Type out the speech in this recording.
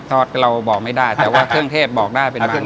อดเราบอกไม่ได้แต่ว่าเครื่องเทพบอกได้เป็นบาง